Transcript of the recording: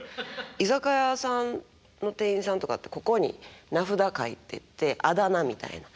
居酒屋さんの店員さんとかってここに名札書いててあだ名みたいな。